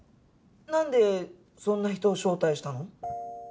なんでそんな人を招待したの？